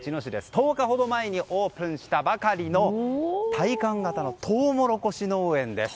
１０日ほど前にオープンしたばかりの体感型のトウモロコシ農園です。